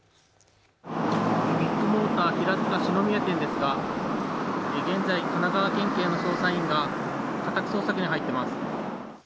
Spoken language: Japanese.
ビッグモーター平塚四之宮店ですが現在、神奈川県警の捜査員が家宅捜索に入っています。